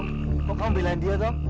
kok kamu bilang dia tau